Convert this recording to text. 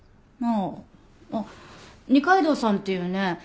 ああ二階堂さんっていうね